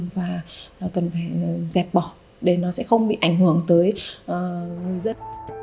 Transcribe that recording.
và cần phải dẹp bỏ để nó sẽ không bị ảnh hưởng tới người dân